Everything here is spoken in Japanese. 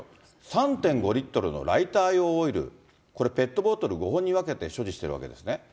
３．５リットルのライター用オイル、これ、ペットボトル５本に分けて所持しているわけですね。